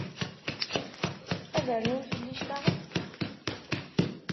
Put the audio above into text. Ad rnun fell-i cclaɣem?